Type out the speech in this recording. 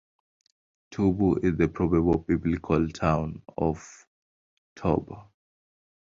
Tubu is the probable biblical town of Tob.